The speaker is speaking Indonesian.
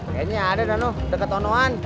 kayaknya ada dano deket onoan